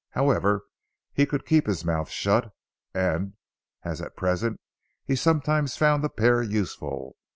However, he could keep his mouth shut, and, as at present, he sometimes found the pair useful.